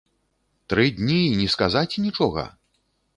Тры дні і не сказаць нічога?!